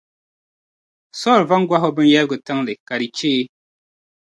Saul va n-gɔhi o binyɛrigu tiŋli, ka di cheei.